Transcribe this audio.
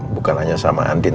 bukan hanya sama andin